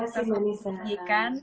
terima kasih mbak nissa